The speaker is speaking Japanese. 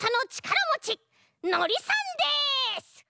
のりさんです！